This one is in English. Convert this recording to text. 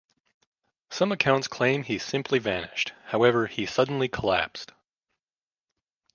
Some accounts claim that he simply vanished, however he suddenly collapsed.